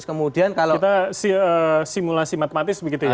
kita simulasi matematis begitu ya